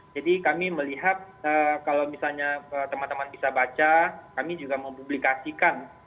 jadi kami melihat kalau misalnya teman teman bisa baca kami juga memublikasikan